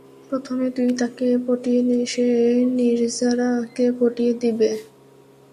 প্রথমে তুই তাকে পটিয়ে নে, সে নির্জারাকে পটিয়ে দিবে।